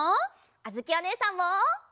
あづきおねえさんも！